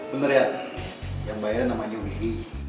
bener ya yang bayarin namanya willy